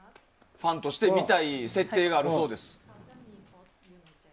ファンとして見たい設定があるそうです。